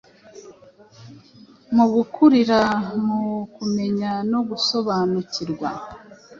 mu gukurira mu kumenya no gusobanukirwa,